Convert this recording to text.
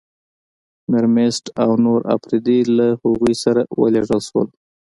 میرمست او نور اپرېدي له هغوی سره ولېږل شول.